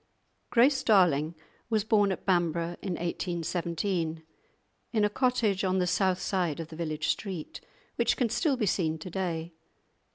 Grace Darling was born at Bamburgh in 1817, in a cottage on the south side of the village street, which can still be seen to day.